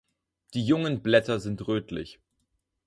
Die jungen Blätter sind rötlich.